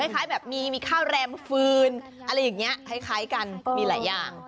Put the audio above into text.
คล้ายแบบมีข้าวแรมฟืนอะไรอย่างนี้คล้ายกันมีหลายอย่าง